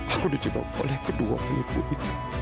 aku dicoba oleh kedua penipu itu